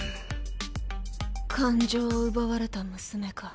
感情を奪われた娘か